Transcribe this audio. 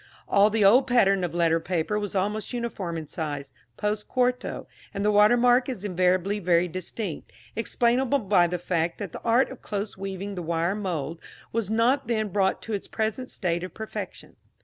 All the old pattern of letter paper was almost uniform in size post quarto, and the watermark is invariably very distinct, explainable by the fact that the art of close weaving the wire mould was not then brought to its present state of perfection.